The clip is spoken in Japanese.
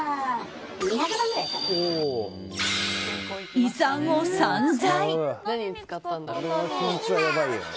遺産を散財。